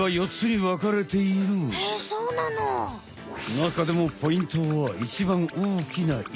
なかでもポイントはいちばんおおきな胃。